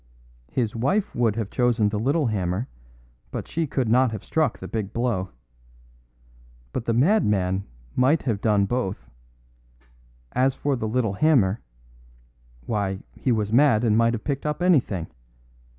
His wife would have chosen the little hammer, but she could not have struck the big blow. But the madman might have done both. As for the little hammer why, he was mad and might have picked up anything.